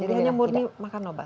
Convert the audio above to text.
jadi hanya murni makan obat